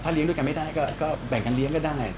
เลี้ยงด้วยกันไม่ได้ก็แบ่งกันเลี้ยงก็ได้